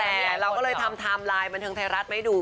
แต่เราก็เลยทำไทม์ไลน์บันเทิงไทยรัฐมาให้ดู